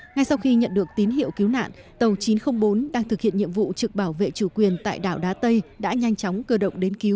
ngay sau khi nhận được tín hiệu cứu nạn tàu chín trăm linh bốn đang thực hiện nhiệm vụ trực bảo vệ chủ quyền tại đảo đá tây đã nhanh chóng cơ động đến cứu